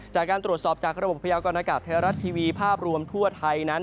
จากการตรวจสอบจากระบบพยากรณากาศไทยรัฐทีวีภาพรวมทั่วไทยนั้น